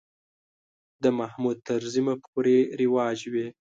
د محمود طرزي مفکورې رواج وې.